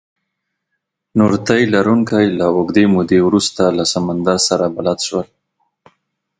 نور تي لرونکي له اوږدې مودې وروسته له سمندر سره بلد شول.